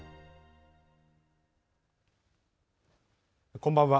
こんばんは。